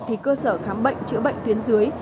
thì cơ sở khám bệnh chữa bệnh tuyến dưới